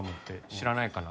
知らないかな？